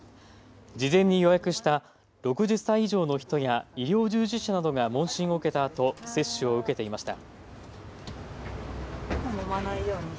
事前に予約した６０歳以上の人や医療従事者などが問診を受けたあと接種を受けていました。